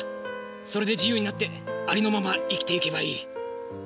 それで自由になってありのまま生きていけばいい。